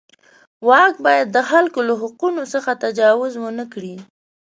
واک باید د خلکو له حقونو څخه تجاوز ونه کړي.